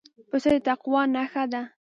پسه د تقوی نښه ده.